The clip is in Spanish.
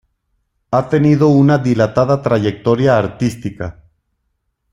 Ha tenido una dilatada trayectoria artística.